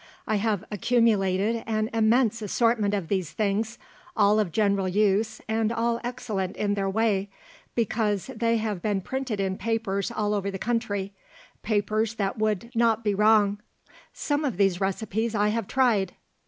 I have accumulated an immense assortment of these things, all of general use and all excellent in their way, because they have been printed in papers all over the country papers that would not be wrong. Some of these recipes I have tried.